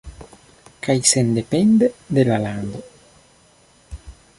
Kaj sendepende de la lando.